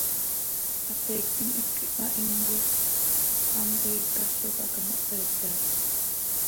Hateiictim hipquih hpahinco, hant toii cazoj hac ano hseete aha.